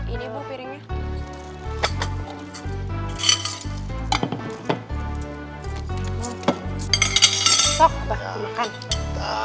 ini bu piringnya